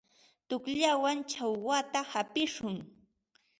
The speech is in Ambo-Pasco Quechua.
Tuqllawan chakwata hapishun.